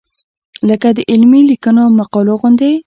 لکه د علمي لیکنو او مقالو غوندې.